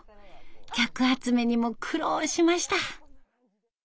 客集めにも苦労しました。